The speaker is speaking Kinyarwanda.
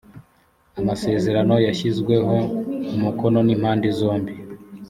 amasezerano yashyizweho umukono n’impande zombi